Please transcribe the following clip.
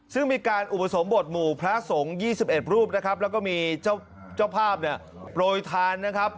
ซึ่งมีการอุปสมบทหมู่พระสงฆ์๒๑รูปนะครับแล้วก็มีเจ้าภาพเนี่ยโปรยทานนะครับ